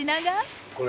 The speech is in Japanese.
これ。